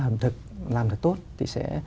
ẩm thực làm thật tốt thì sẽ